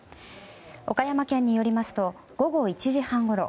岡山県によりますと午後１時半ごろ